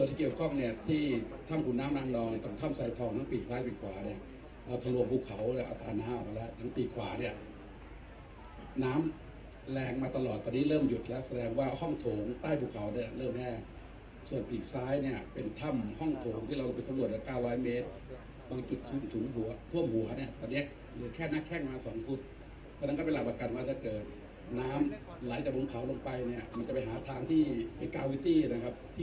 แล้วแสดงว่าห้องโถงใต้ภูเขาเนี้ยเริ่มแรกส่วนภีร์ซ้ายเนี้ยเป็นถ้ำห้องโถงที่เราไปทำรวจจากก้าวร้อยเมตรบางจุดถูกถูกหัวท่วมหัวเนี้ยตอนเนี้ยเหลือแค่นักแค่งมาสอนพุทธเพราะฉะนั้นก็เป็นหลายบัตรการวัดเกิดน้ำไหลจากวงเขาลงไปเนี้ยมันจะไปหาทางที่ไอ้กาวิตี้นะครับที่